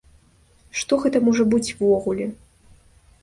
Што гэта можа быць увогуле?